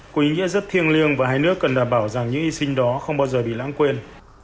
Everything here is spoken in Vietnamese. có ý nghĩa rất thiêng liêng và hai nước cần đảm bảo rằng những hy sinh đó không bao giờ bị lãng quên